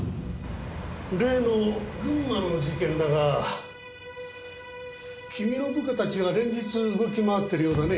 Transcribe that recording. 例の群馬の事件だが君の部下たちが連日動き回っているようだね？